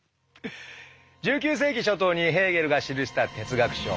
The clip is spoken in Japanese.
１９世紀初頭にヘーゲルが記した哲学書「精神現象学」。